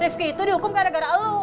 rifki itu dihukum gara gara lo